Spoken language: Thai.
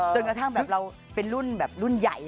จนกระทั่งแบบเราเป็นรุ่นแบบรุ่นใหญ่